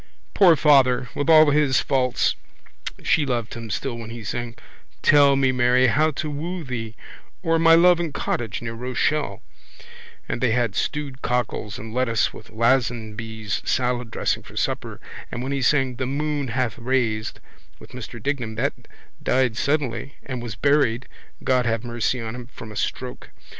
Poor father! With all his faults she loved him still when he sang Tell me, Mary, how to woo thee or My love and cottage near Rochelle and they had stewed cockles and lettuce with Lazenby's salad dressing for supper and when he sang The moon hath raised with Mr Dignam that died suddenly and was buried, God have mercy on him, from a stroke.